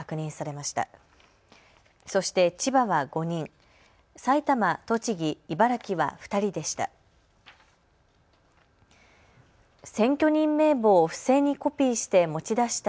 そして千葉は５人、埼玉、栃木、茨城は２人でした。